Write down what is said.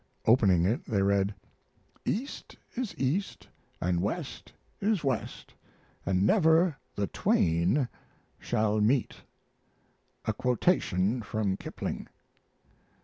Opening it, they read: East is East and West is West, And never the Twain shall meet, a quotation from Kipling.